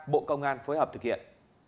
bộ công an phối hợp thực hiện